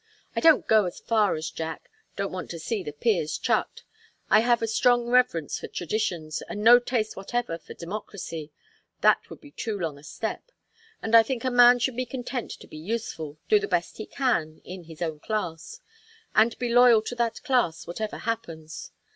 I don't go as far as Jack don't want to see the 'Peers' chucked. I have a strong reverence for traditions, and no taste whatever for democracy that would be too long a step. And I think a man should be content to be useful, do the best he can, in his own class; and be loyal to that class whatever happens.